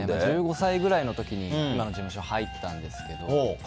１５歳くらいの時に今の事務所に入ったんですけど。